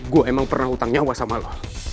gue emang pernah hutang nyawa sama lo